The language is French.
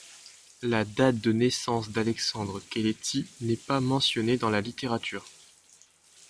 La date de naissance d'Alexandre Kéléty n'est pas mentionnée dans la littérature.